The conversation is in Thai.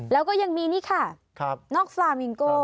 แล้วก็ยังมีนี่ค่ะนอกสลามิงโก